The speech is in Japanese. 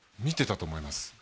見てたと思います